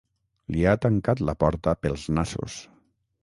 Li ha tancat la porta pels nassos.